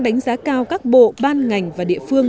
đánh giá cao các bộ ban ngành và địa phương